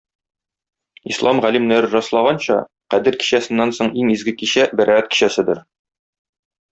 Ислам галимнәре раслаганча, Кадер кичәсеннән соң иң изге кичә - Бәраәт кичәседер.